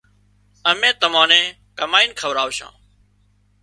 امين تمان نين ڪمائينَ کوراوشان